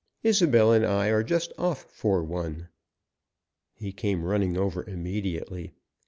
Isobel and I are just off for one." He came running over immediately.